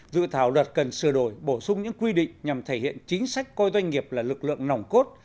dự thảo luật cần sửa đổi bổ sung những quy định nhằm thể hiện chính sách coi doanh nghiệp là lực lượng nòng cốt